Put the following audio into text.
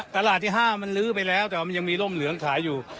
ตลาดที่๕มันลื้อไปแล้วแต่ว่ามันยังมีร่มเหลืองขายอยู่